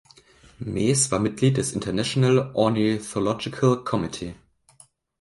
Mees war Mitglied des International Ornithological Committee.